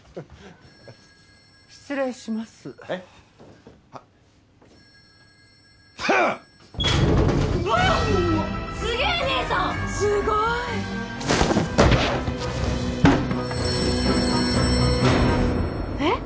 すごい！えっ？